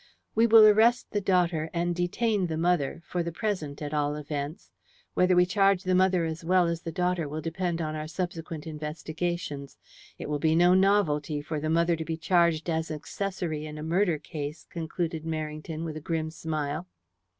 We will arrest the daughter, and detain the mother for the present, at all events. Whether we charge the mother as well as the daughter will depend on our subsequent investigations. It will be no novelty for the mother to be charged as accessory in a murder case," concluded Merrington, with a grim smile.